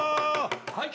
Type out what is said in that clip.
はい。